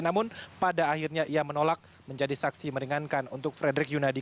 namun pada akhirnya ia menolak menjadi saksi meringankan untuk frederick yunadi